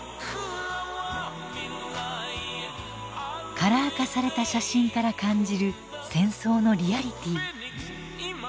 カラー化された写真から感じる戦争のリアリティー。